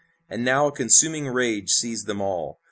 And now a consuming rage seized them all.